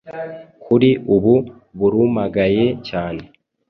kuri ubu burumagaye cyane